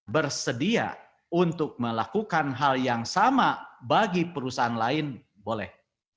bersedia untuk melakukan hal yang sama bagi perusahaan lain boleh